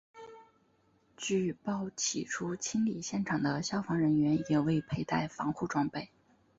据报起初清理现场的消防人员也未佩戴防护装备。